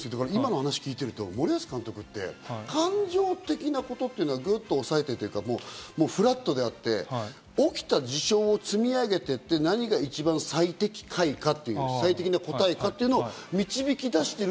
話を聞いてると、森保監督って、感情的なことっていうのはグッと抑えていて、フラットであって、起きた事象を積み上げてって、何が一番最適解か、最適な答えかを導き出している。